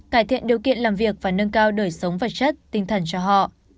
cải thiện điều kiện làm việc và nâng cao đời sống vật chất tinh thần cho họ